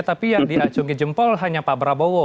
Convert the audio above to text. tapi yang diacungi jempol hanya pak prabowo